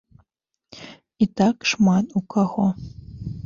І так шмат у каго.